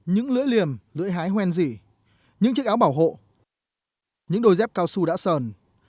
những lưỡi liềm lưỡi hái hoen dỉ những chiếc áo bảo hộ những đôi dép cao su đã sờn